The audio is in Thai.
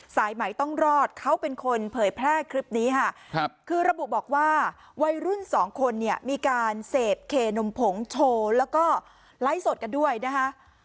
สายไหมต้องรอดเขาเป็นคนเผยแพร่คลิปนี้ค่ะคือระบุบอกว่าวัยรุ่นสองคนเนี่ยมีการเสพเคนมผงโชว์แล้วก็ไลฟ์สดกันด้วยนะคะ